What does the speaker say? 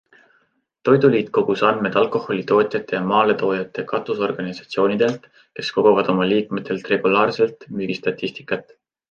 Toiduliit kogus andmed alkoholitootjate- ja maaletoojate katusorganisatsioonidelt, kes koguvad oma liikmetelt regulaarselt müügistatistikat.